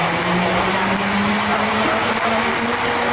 สวัสดีครับ